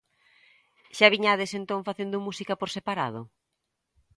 Xa viñades entón facendo música por separado?